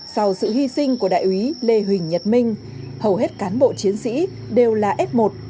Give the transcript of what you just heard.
sau sự hy sinh của đại úy lê huỳnh nhật minh hầu hết cán bộ chiến sĩ đều là f một